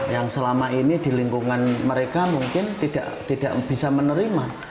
yang selama ini di lingkungan mereka mungkin tidak bisa menerima